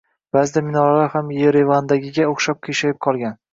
Ba’zida minoralar ham Yerevandagiga o‘xshab qiyshayib qolgan